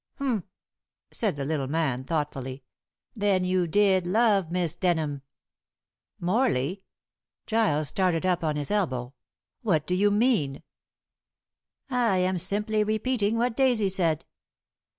"Humph!" said the little man thoughtfully, "then you did love Miss Denham?" "Morley" Giles started up on his elbow "what do you mean?" "I am simply repeating what Daisy said."